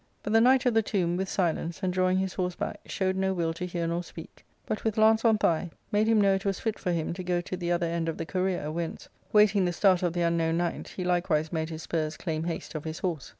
But the Knight of the Tomb, with silence, and drawing his horse back, showed no will to hear nor speak, but, with lance on thigh, made him know it was fit for him to go to the other end of the career, whence, waiting the start of the unknown knight, he likewise made his spurs claim haste of 4 his horse.